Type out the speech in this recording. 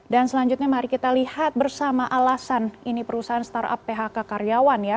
dan selanjutnya mari kita lihat bersama alasan ini perusahaan startup phk karyawan ya